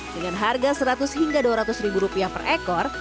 dengan harga seratus hingga dua ratus ribu rupiah per ekor